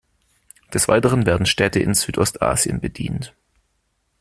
Des Weiteren werden Städte in Südostasien bedient.